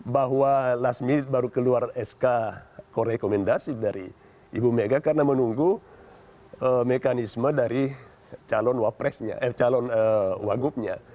bahwa last minute baru keluar sk korekomendasi dari ibu mega karena menunggu mekanisme dari calon wagubnya